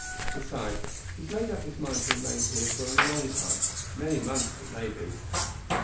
Besides, he has made up his mind to remain here for a long time many months, it may be."